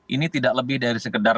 ini tidak lebih dari sekedar